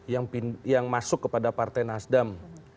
yang masuk kepada partai nasdem